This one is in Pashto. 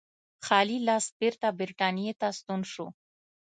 خالي لاس بېرته برېټانیا ته ستون شو.